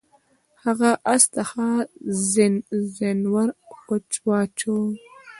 هغه اس ته ښه زین ور واچاوه.